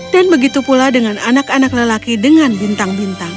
dan begitu pula dengan anak anak lelaki dengan bintang bintang